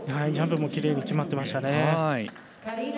ジャンプもきれいに決まっていました。